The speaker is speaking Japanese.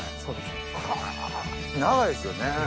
そうですね。